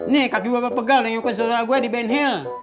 nih kaki gua berpegal nengokin saudara gua di ben hill